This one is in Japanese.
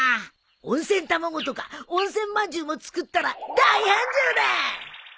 温泉卵とか温泉まんじゅうも作ったら大繁盛だ！